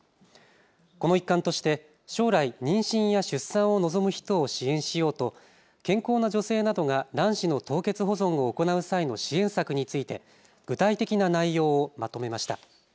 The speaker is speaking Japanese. この一環として将来、妊娠や出産を望む人を支援しようと健康な女性などが卵子の凍結保存を行う際の支援策について具体的な内容をまとめました。